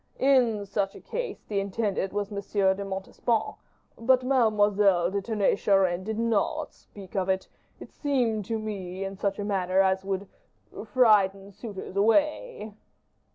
"In that case, the intended was M. de Montespan; but Mademoiselle de Tonnay Charente did not speak of it, it seemed to me, in such a manner as would frighten suitors away."